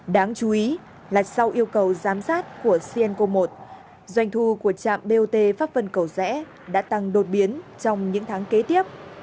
đáng chú ý là sau yêu cầu giám sát của cnco một doanh thu của trạm bot pháp vân cầu rẽ đã tăng đột biến trong những tháng kế tiếp